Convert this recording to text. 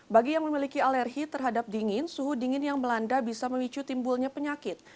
bagi yang memiliki alergi terhadap dingin suhu dingin yang melanda bisa memicu timbulnya penyakit